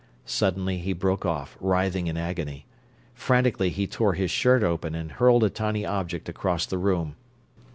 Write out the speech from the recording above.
Suddenly he broke off, writhing in agony. Frantically he tore his shirt open and hurled a tiny object across the room.